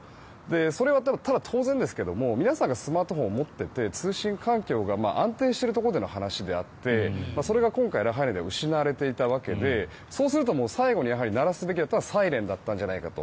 それは当然ですけど皆さんがスマートフォンを持っていて、通信環境が安定しているところでの話であってそれが今回ラハイナでは失われていたわけでそうすると最後に鳴らすべきだったのはサイレンだったんじゃないかと。